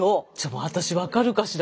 私分かるかしら？